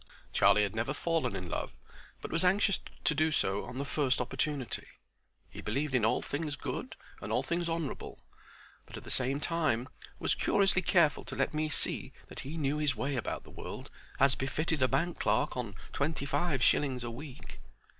Charlie had never fallen in love, but was anxious to do so on the first opportunity; he believed in all things good and all things honorable, but, at the same time, was curiously careful to let me see that he knew his way about the world as befitted a bank clerk on twenty five shillings a week.